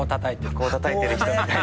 箱をたたいてる人みたいな。